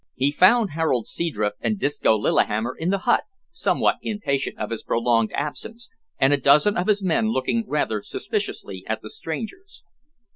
He found Harold Seadrift and Disco Lillihammer in the hut, somewhat impatient of his prolonged absence, and a dozen of his men looking rather suspiciously at the strangers.